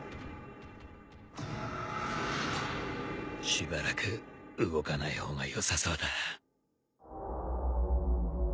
しばらく動かない方がよさそうだ。